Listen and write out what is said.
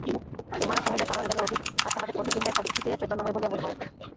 উহারা সমুদয় সাধারণ জ্ঞানের অতীত, আর তাহাদের প্রতিবিম্বে প্রকৃতিকে চৈতন্যময় বলিয়া বোধ হয়।